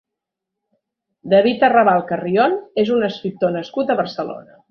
David Arrabal Carrión és un escriptor nascut a Barcelona.